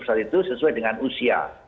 soal itu sesuai dengan usia